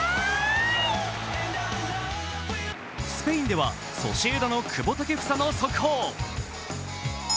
スペインではソシエダの久保建英の速報。